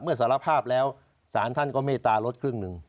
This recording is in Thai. เมื่อสารภาพแล้วศาลท่านก็เมตตารสครึ่งหนึ่ง